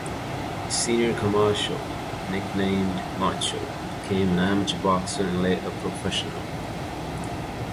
The senior Camacho, nicknamed "Macho", became an amateur boxer and, later a professional.